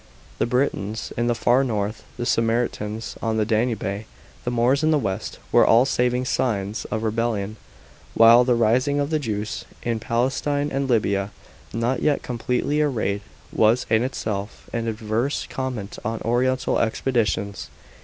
The Britons in the far north, the Sarmatians on the Danube, the Moors in the west were all saving signs of rebellion ; while the rising of the Jews in Palestine and Libya, not yet completely allayed, was in itself an adverse comment on oriental expeditions.